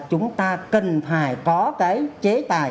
chúng ta cần phải có cái chế tài